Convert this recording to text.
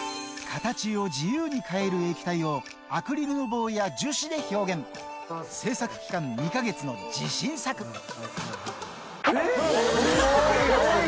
形を自由に変える液体をアクリルの棒や樹脂で表現制作期間２か月の自信作えっ？